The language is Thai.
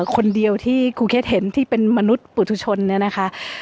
คนเดียวที่ครูเคสเห็นที่เป็นมนุษย์ปุทุชนเนี่ยนะคะ